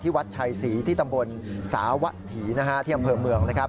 ที่วัดชัยศรีที่ตำบลสาวสถีที่อำเภอเมือง